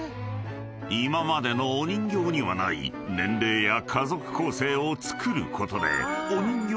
［今までのお人形にはない年齢や家族構成をつくることで］